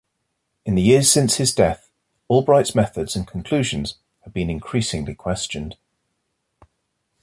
In the years since his death, Albright's methods and conclusions have been increasingly questioned.